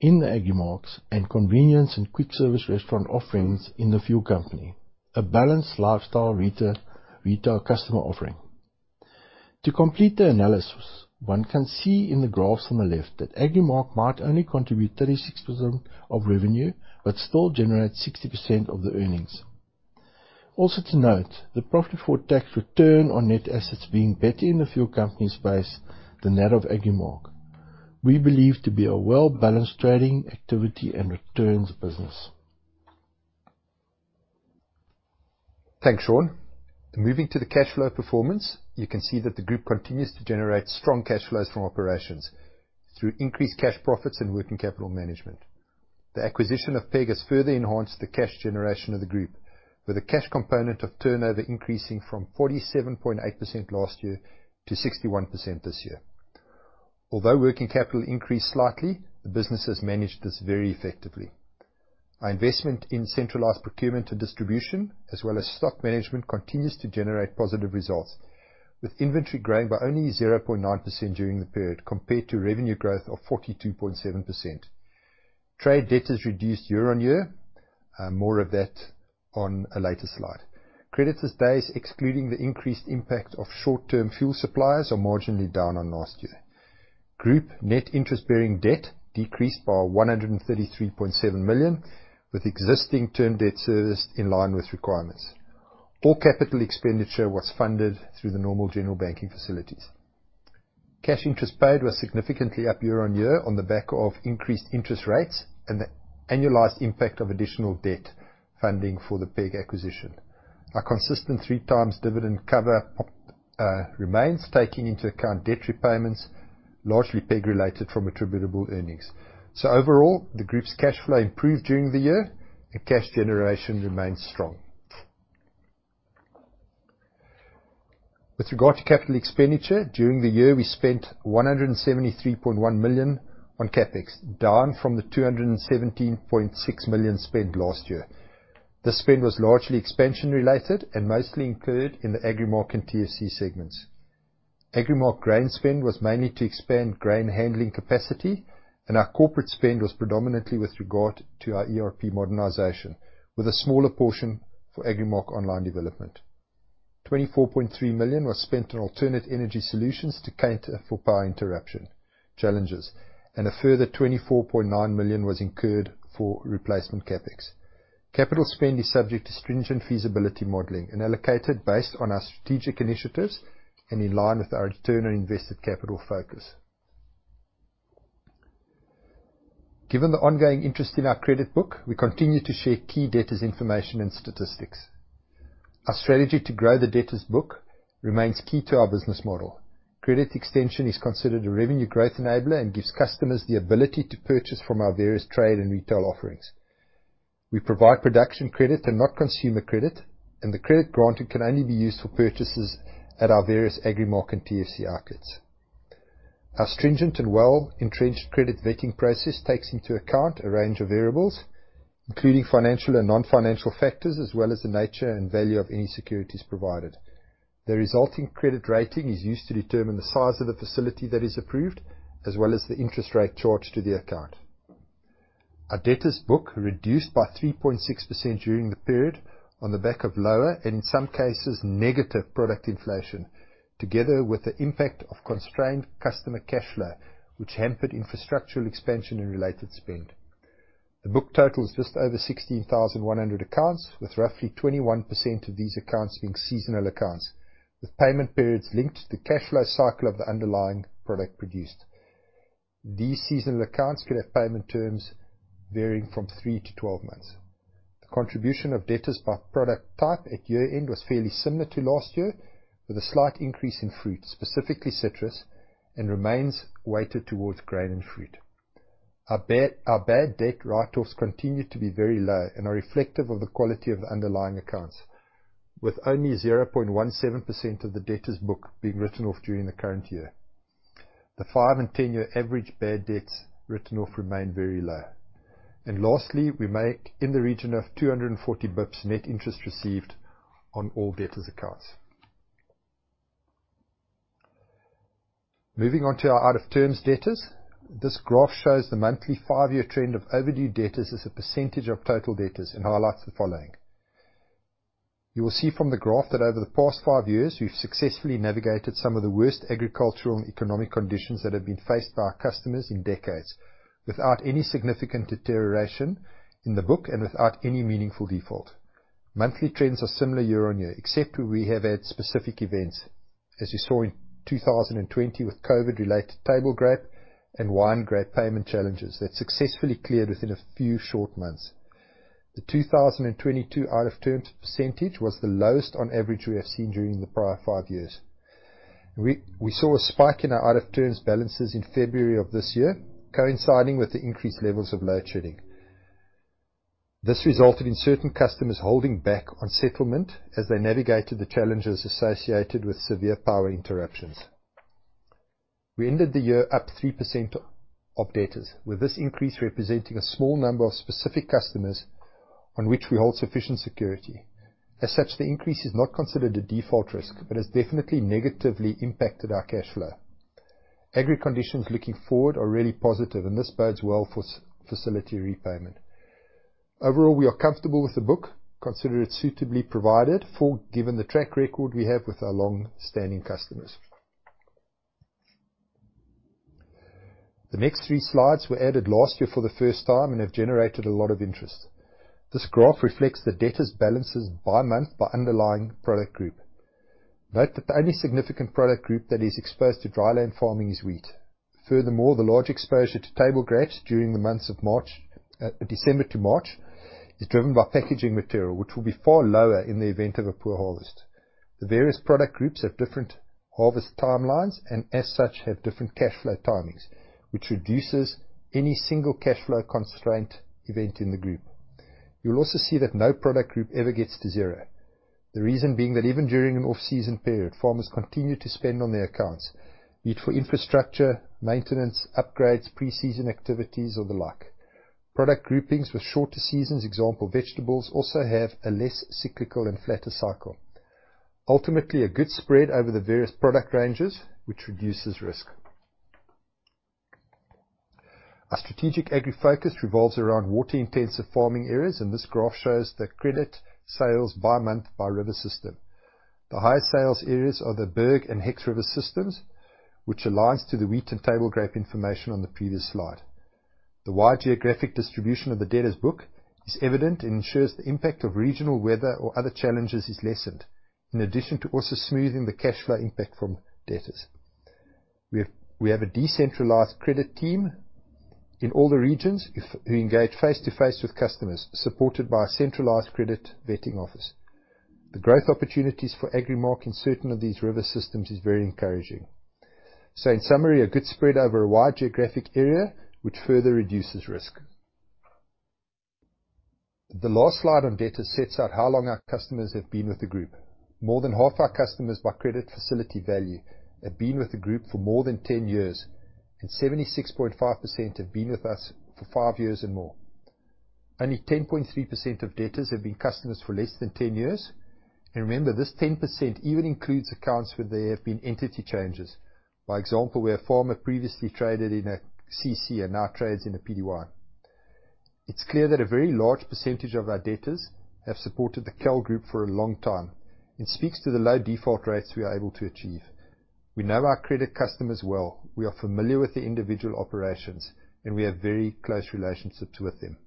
in the Agrimark, and convenience and quick service restaurant offerings in the fuel company. A balanced lifestyle retail, retail customer offering. To complete the analysis, one can see in the graphs on the left, that Agrimark might only contribute 36% of revenue, but still generates 60% of the earnings. Also to note, the profit before tax return on net assets being better in the fuel company space than that of Agrimark, we believe to be a well-balanced trading activity and returns business. Thanks, Sean. Moving to the cash flow performance, you can see that the group continues to generate strong cash flows from operations through increased cash profits and working capital management. The acquisition of Peg has further enhanced the cash generation of the group, with a cash component of turnover increasing from 47.8% last year to 61% this year. Although working capital increased slightly, the business has managed this very effectively. Our investment in centralized procurement and distribution, as well as stock management, continues to generate positive results, with inventory growing by only 0.9% during the period, compared to revenue growth of 42.7%. Trade debt has reduced year-on-year. More of that on a later slide. Creditors days, excluding the increased impact of short-term fuel suppliers, are marginally down on last year. Group net interest-bearing debt decreased by 133.7 million, with existing term debt serviced in line with requirements. All capital expenditure was funded through the normal general banking facilities. Cash interest paid was significantly up year-on-year on the back of increased interest rates and the annualized impact of additional debt funding for the Peg acquisition. Our consistent three times dividend cover remains, taking into account debt repayments, largely Peg-related from attributable earnings. So overall, the group's cash flow improved during the year, and cash generation remains strong. With regard to capital expenditure, during the year, we spent 173.1 million on CapEx, down from the 217.6 million spent last year. This spend was largely expansion-related and mostly incurred in the Agrimark and TFC segments. Agrimark grain spend was mainly to expand grain handling capacity, and our corporate spend was predominantly with regard to our ERP modernization, with a smaller portion for Agrimark online development. 24.3 million was spent on alternate energy solutions to cater for power interruption challenges, and a further 24.9 million was incurred for replacement CapEx. Capital spend is subject to stringent feasibility modeling and allocated based on our strategic initiatives and in line with our return on invested capital focus. Given the ongoing interest in our credit book, we continue to share key debtors' information and statistics. Our strategy to grow the debtors book remains key to our business model. Credit extension is considered a revenue growth enabler and gives customers the ability to purchase from our various trade and retail offerings. We provide production credit and not consumer credit, and the credit granted can only be used for purchases at our various Agrimark and TFC outlets. Our stringent and well-entrenched credit vetting process takes into account a range of variables, including financial and non-financial factors, as well as the nature and value of any securities provided. The resulting credit rating is used to determine the size of the facility that is approved, as well as the interest rate charged to the account. Our debtors book reduced by 3.6% during the period on the back of lower, and in some cases, negative product inflation, together with the impact of constrained customer cashflow, which hampered infrastructural expansion and related spend. The book totals just over 16,100 accounts, with roughly 21% of these accounts being seasonal accounts, with payment periods linked to the cash flow cycle of the underlying product produced. These seasonal accounts could have payment terms varying from 3-12 months. The contribution of debtors by product type at year-end was fairly similar to last year, with a slight increase in fruit, specifically citrus, and remains weighted towards grain and fruit. Our bad debt write-offs continue to be very low and are reflective of the quality of the underlying accounts, with only 0.17% of the debtors book being written off during the current year. The 5- and 10-year average bad debts written off remain very low. Lastly, we make in the region of 240 BPS net interest received on all debtors accounts. Moving on to our out-of-terms debtors. This graph shows the monthly five-year trend of overdue debtors as a percentage of total debtors and highlights the following:... You will see from the graph that over the past five years, we've successfully navigated some of the worst agricultural and economic conditions that have been faced by our customers in decades, without any significant deterioration in the book and without any meaningful default. Monthly trends are similar year-on-year, except where we have had specific events, as you saw in 2020 with COVID-related table grape and wine grape payment challenges that successfully cleared within a few short months. The 2022 out-of-terms percentage was the lowest on average we have seen during the prior five years. We saw a spike in our out-of-terms balances in February of this year, coinciding with the increased levels of load shedding. This resulted in certain customers holding back on settlement as they navigated the challenges associated with severe power interruptions. We ended the year up 3% of debtors, with this increase representing a small number of specific customers on which we hold sufficient security. As such, the increase is not considered a default risk, but has definitely negatively impacted our cash flow. Agri conditions looking forward are really positive, and this bodes well for facility repayment. Overall, we are comfortable with the book, consider it suitably provided for, given the track record we have with our long-standing customers. The next three slides were added last year for the first time and have generated a lot of interest. This graph reflects the debtors' balances by month by underlying product group. Note that the only significant product group that is exposed to dry land farming is wheat. Furthermore, the large exposure to table grapes during the months of March, December to March, is driven by packaging material, which will be far lower in the event of a poor harvest. The various product groups have different harvest timelines, and as such, have different cash flow timings, which reduces any single cash flow constraint event in the group. You will also see that no product group ever gets to zero. The reason being that even during an off-season period, farmers continue to spend on their accounts, be it for infrastructure, maintenance, upgrades, pre-season activities, or the like. Product groupings with shorter seasons, example, vegetables, also have a less cyclical and flatter cycle. Ultimately, a good spread over the various product ranges, which reduces risk. Our strategic agri focus revolves around water-intensive farming areas, and this graph shows the credit sales by month by river system. The highest sales areas are the Berg River and Hex River systems, which aligns to the wheat and table grape information on the previous slide. The wide geographic distribution of the debtors book is evident and ensures the impact of regional weather or other challenges is lessened, in addition to also smoothing the cash flow impact from debtors. We have a decentralized credit team in all the regions, we engage face-to-face with customers, supported by a centralized credit vetting office. The growth opportunities for Agrimark in certain of these river systems is very encouraging. So in summary, a good spread over a wide geographic area, which further reduces risk. The last slide on debtors sets out how long our customers have been with the group. More than half our customers by credit facility value have been with the group for more than 10 years, and 76.5% have been with us for 5 years and more. Only 10.3% of debtors have been customers for less than 10 years. Remember, this 10% even includes accounts where there have been entity changes. By example, where a farmer previously traded in a CC and now trades in a PTY. It's clear that a very large percentage of our debtors have supported the KAL Group for a long time and speaks to the low default rates we are able to achieve. We know our credit customers well. We are familiar with the individual operations, and we have very close relationships with them.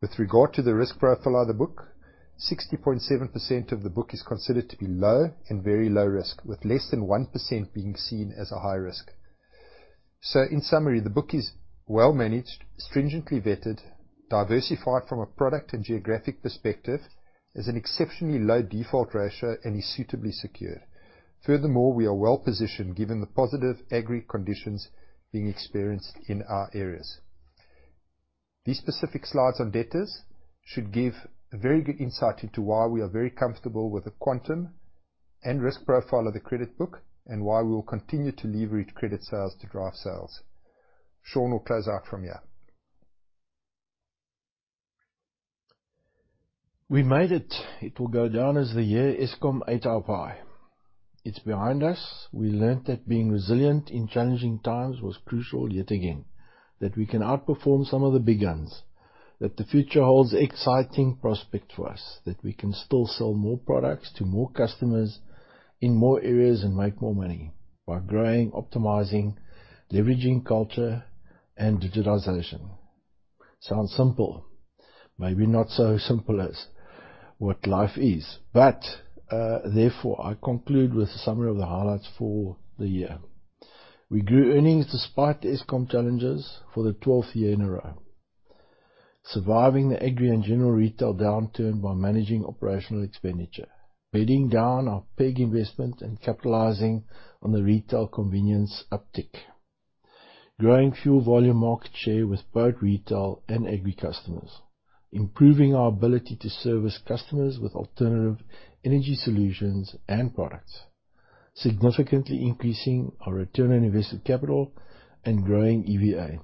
With regard to the risk profile of the book, 60.7% of the book is considered to be low and very low risk, with less than 1% being seen as a high risk. So in summary, the book is well managed, stringently vetted, diversified from a product and geographic perspective, has an exceptionally low default ratio, and is suitably secured. Furthermore, we are well-positioned given the positive agri conditions being experienced in our areas. These specific slides on debtors should give a very good insight into why we are very comfortable with the quantum and risk profile of the credit book, and why we will continue to leverage credit sales to drive sales. Sean will close out from here. We made it! It will go down as the year Eskom ate our pie. It's behind us. We learned that being resilient in challenging times was crucial yet again. That we can outperform some of the big guns, that the future holds exciting prospects for us, that we can still sell more products to more customers in more areas and make more money by growing, optimizing, leveraging culture and digitization. Sounds simple. Maybe not so simple as what life is, but therefore, I conclude with a summary of the highlights for the year. We grew earnings despite the Eskom challenges for the twelfth year in a row, surviving the agri and general retail downturn by managing operational expenditure, bedding down our big investment and capitalizing on the retail convenience uptick. Growing fuel volume market share with both retail and agri customers. Improving our ability to service customers with alternative energy solutions and products. Significantly increasing our return on invested capital and growing EVA.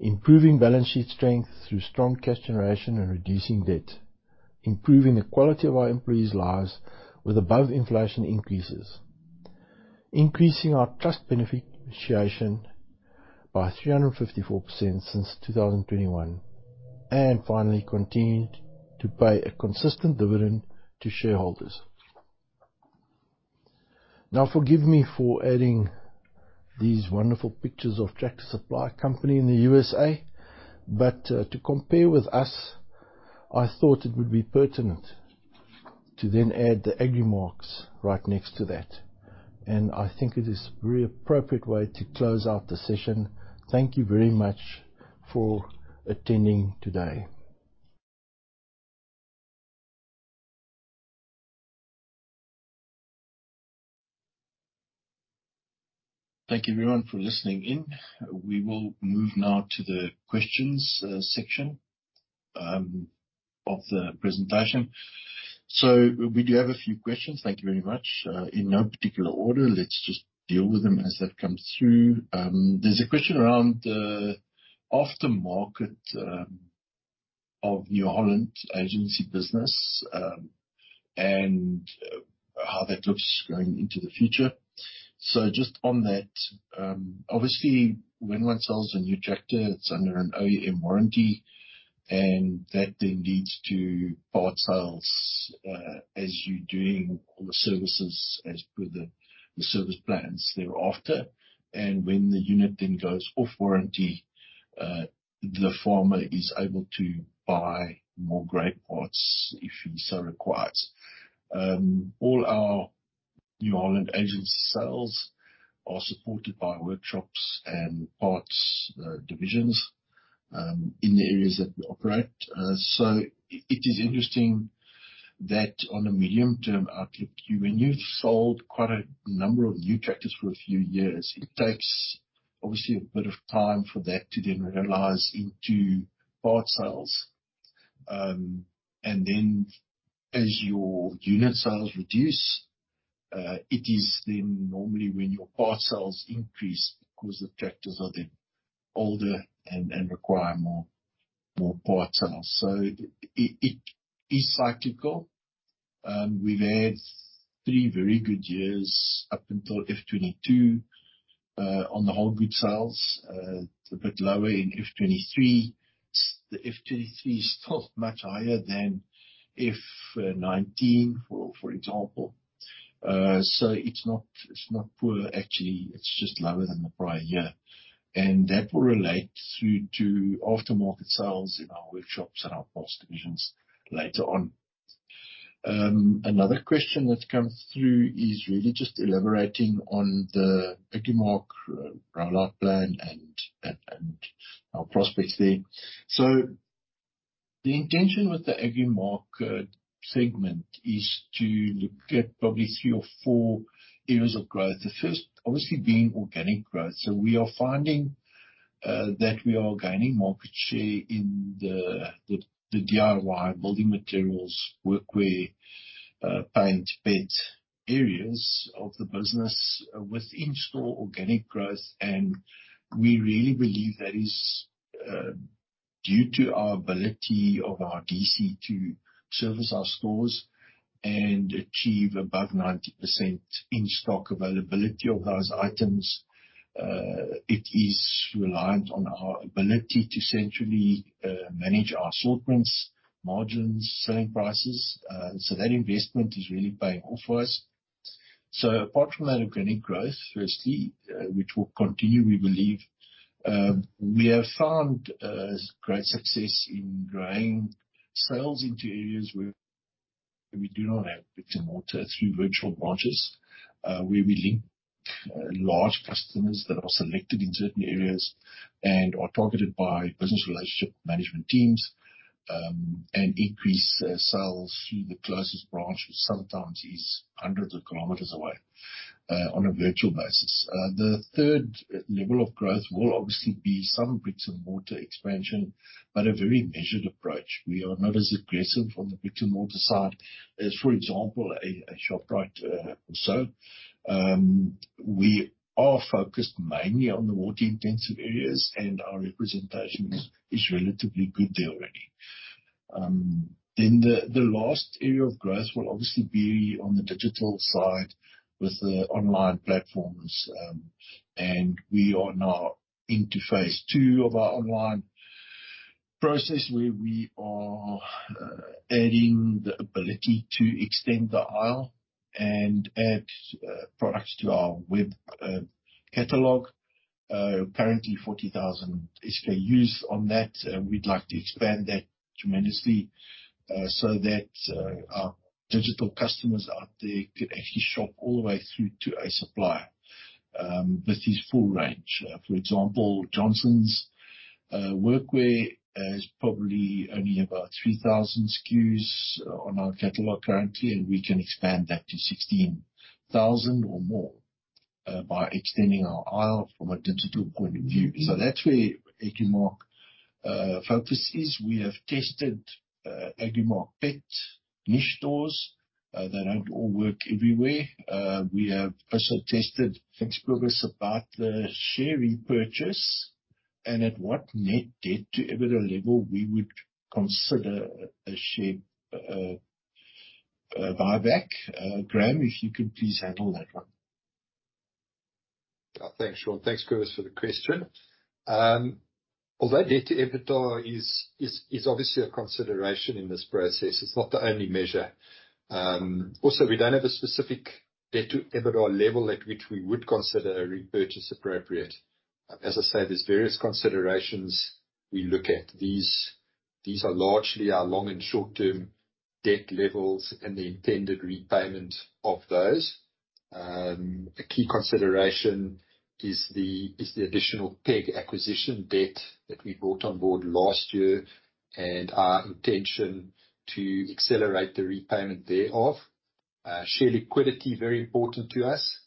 Improving balance sheet strength through strong cash generation and reducing debt. Improving the quality of our employees' lives with above-inflation increases.... increasing our trust beneficiation by 354% since 2021, and finally continued to pay a consistent dividend to shareholders. Now, forgive me for adding these wonderful pictures of Tractor Supply Company in the U.S.A., but, to compare with us, I thought it would be pertinent to then add the Agrimark right next to that, and I think it is a very appropriate way to close out the session. Thank you very much for attending today. Thank you, everyone, for listening in. We will move now to the questions section of the presentation. So we do have a few questions. Thank you very much. In no particular order, let's just deal with them as they've come through. There's a question around the aftermarket of New Holland agency business, and how that looks going into the future. So just on that, obviously, when one sells a new tractor, it's under an OEM warranty, and that then leads to part sales, as you're doing all the services as per the service plans thereafter. And when the unit then goes off warranty, the farmer is able to buy more great parts if he so requires. All our New Holland agency sales are supported by workshops and parts divisions in the areas that we operate. So it is interesting that on a medium-term outlook, you, when you've sold quite a number of new tractors for a few years, it takes obviously a bit of time for that to then realize into part sales. And then as your unit sales reduce, it is then normally when your part sales increase because the tractors are then older and require more part sales. So it is cyclical. We've had three very good years up until F-2022, on the whole good sales. It's a bit lower in F-2023. The F-2023 is still much higher than F-2019, for example. So it's not poor, actually, it's just lower than the prior year, and that will relate through to aftermarket sales in our workshops and our parts divisions later on. Another question that's come through is really just elaborating on the Agrimark rollout plan and our prospects there. So the intention with the Agrimark segment is to look at probably three or four areas of growth, the first obviously being organic growth. So we are finding that we are gaining market share in the DIY building materials, workwear, paint, pet areas of the business with in-store organic growth, and we really believe that is due to our ability of our DC to service our stores and achieve above 90% in-stock availability of those items. It is reliant on our ability to centrally manage our assortments, margins, selling prices. So that investment is really paying off for us. So apart from that organic growth, firstly, which will continue, we believe, we have found great success in growing sales into areas where we do not have bricks and mortar through virtual branches, where we link large customers that are selected in certain areas and are targeted by business relationship management teams, and increase sales through the closest branch, which sometimes is hundreds of kilometers away, on a virtual basis. The third level of growth will obviously be some bricks-and-mortar expansion, but a very measured approach. We are not as aggressive on the bricks and mortar side as, for example, a Shoprite, or so. We are focused mainly on the water-intensive areas, and our representation is relatively good there already. Then the last area of growth will obviously be on the digital side with the online platforms, and we are now into phase two of our online process, where we are adding the ability to extend the aisle and add products to our web catalog. Currently 40,000 SKUs on that. We'd like to expand that tremendously, so that our digital customers out there could actually shop all the way through to a supplier with his full range. For example, Johnson's Workwear is probably only about 3,000 SKUs on our catalog currently, and we can expand that to 16,000 or more by extending our aisle from a digital point of view. So that's where Agrimark focus is. We have tested Agrimark pet niche stores. They don't all work everywhere. Thanks, progress about the share repurchase?... and at what net debt to EBITDA level we would consider a share buyback. Graeme, if you could please handle that one. Thanks, Sean. Thanks, Curtis, for the question. Although debt to EBITDA is obviously a consideration in this process, it's not the only measure. Also, we don't have a specific debt to EBITDA level at which we would consider a repurchase appropriate. As I said, there's various considerations we look at. These are largely our long and short-term debt levels and the intended repayment of those. A key consideration is the additional PEG acquisition debt that we brought on board last year, and our intention to accelerate the repayment thereof. Share liquidity, very important to us.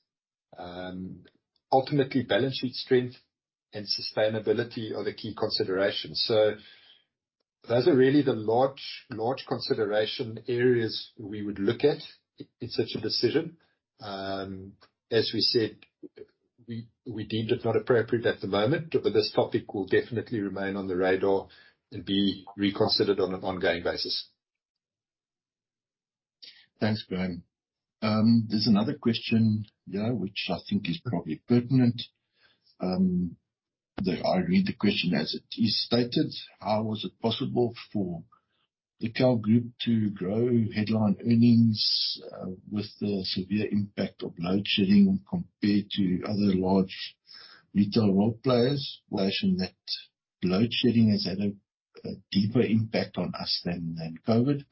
Ultimately, balance sheet strength and sustainability are the key considerations. So those are really the large consideration areas we would look at in such a decision. As we said, we deemed it not appropriate at the moment, but this topic will definitely remain on the radar and be reconsidered on an ongoing basis. Thanks, Graeme. There's another question here, which I think is probably pertinent. I read the question as it is stated: How was it possible for the KAL Group to grow headline earnings with the severe impact of load shedding compared to other large retail role players? We mentioned that load shedding has had a deeper impact on us than COVID.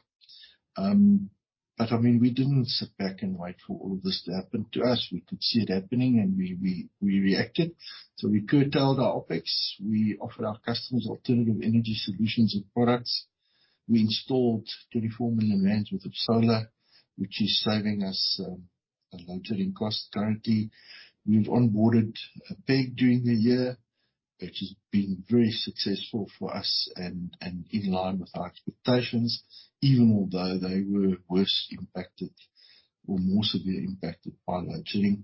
But, I mean, we didn't sit back and wait for all this to happen to us. We could see it happening, and we reacted. So we curtailed our OpEx. We offered our customers alternative energy solutions and products. We installed 34 million rand worth of solar, which is saving us a lot in cost currently. We've onboarded Peg during the year, which has been very successful for us and, and in line with our expectations, even although they were worse impacted or more severely impacted by load shedding.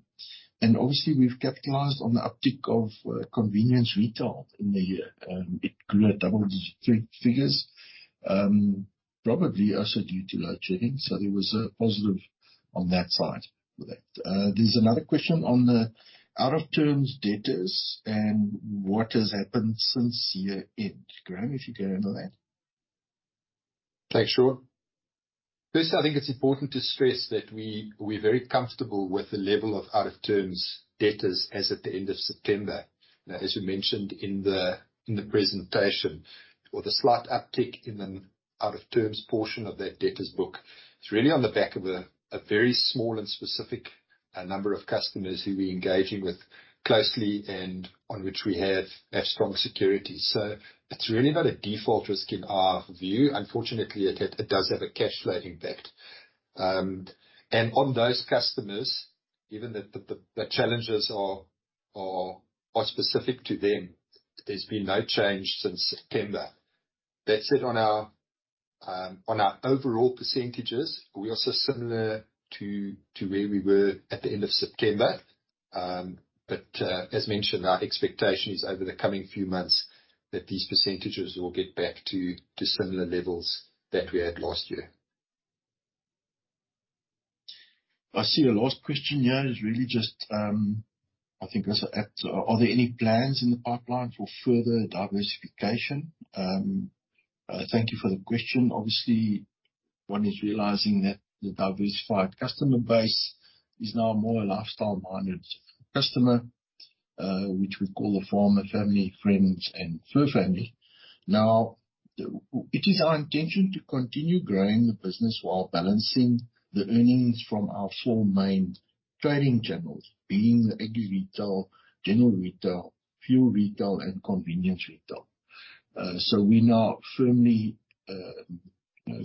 Obviously, we've capitalized on the uptick of convenience retail in the year. It grew at double-digit figures, probably also due to load shedding. So there was a positive on that side with that. There's another question on the out-of-terms debtors and what has happened since year-end. Graeme, if you can handle that. Thanks, Sean. First, I think it's important to stress that we, we're very comfortable with the level of out-of-terms debtors as at the end of September. Now, as you mentioned in the, in the presentation, with a slight uptick in the out-of-terms portion of that debtors book, it's really on the back of a, a very small and specific number of customers who we're engaging with closely and on which we have have strong security. So it's really not a default risk in our view. Unfortunately, it has- it does have a cash flow impact. And on those customers, given that the, the, the challenges are, are, are specific to them, there's been no change since September. That said, on our, on our overall percentages, we are so similar to, to where we were at the end of September. But, as mentioned, our expectation is over the coming few months that these percentages will get back to similar levels that we had last year. I see your last question here is really just, I think this will add... Are there any plans in the pipeline for further diversification? Thank you for the question. Obviously, one is realizing that the diversified customer base is now more a lifestyle-minded customer, which we call the farmer, family, friends, and fur family. Now, it is our intention to continue growing the business while balancing the earnings from our four main trading channels, being the agri retail, general retail, fuel retail, and convenience retail. So we now are firmly, you know,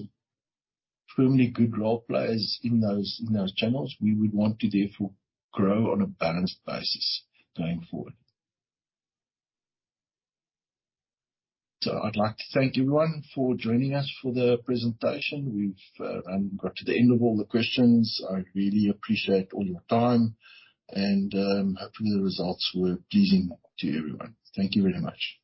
firmly good role players in those, in those channels. We would want to therefore grow on a balanced basis going forward. So I'd like to thank everyone for joining us for the presentation. We've got to the end of all the questions. I really appreciate all your time, and, hopefully the results were pleasing to everyone. Thank you very much.